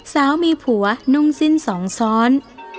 สาวมีผัวนุ่งสิ้นสองซ้อน